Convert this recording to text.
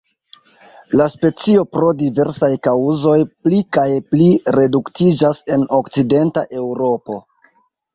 La specio pro diversaj kaŭzoj pli kaj pli reduktiĝas en Okcidenta Eŭropo.